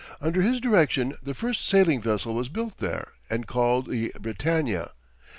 Under his direction the first sailing vessel was built there and called the Britannia.